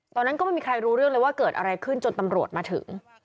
ตอนนั้นก็ไม่มีใครรู้เรื่องเลยว่าเกิดอะไรขึ้นจนตำรวจมาถึง